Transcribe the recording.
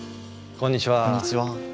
こんにちは。